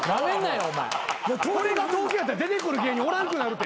・これが東京やったら出てくる芸人おらんくなるって。